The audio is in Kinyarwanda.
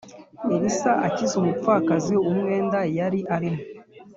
Elisa akiza umupfakazi umwenda yari arimo